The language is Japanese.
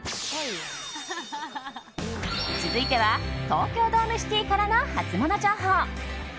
続いては東京ドームシティからのハツモノ情報。